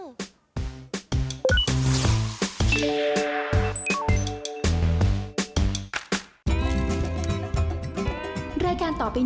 ไม่เจอหมีเธอแล้ว